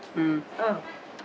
うん。